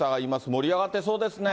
盛り上がってそうですね。